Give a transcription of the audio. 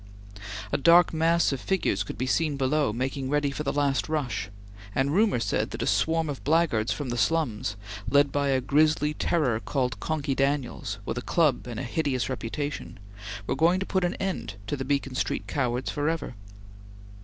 A dark mass of figures could be seen below, making ready for the last rush, and rumor said that a swarm of blackguards from the slums, led by a grisly terror called Conky Daniels, with a club and a hideous reputation, was going to put an end to the Beacon Street cowards forever.